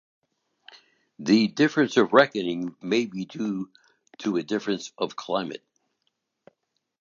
The difference of reckoning may be due to a difference of climate.